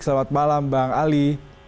selamat malam bang ali